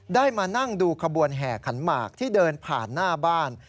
ได้มานั่งดูขบวนแห่ขันหมากที่เดินผ่านหน้าบ้าน